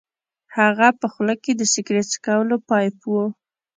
د هغه په خوله کې د سګرټ څکولو پایپ و